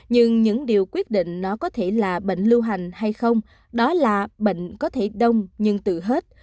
nhưng những điều quyết định nó có thể là bệnh lưu hành hay không đó là bệnh có thể đông nhưng từ hết